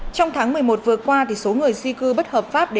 trong tháng một mươi một vừa qua số người di cư bất hợp pháp nhận được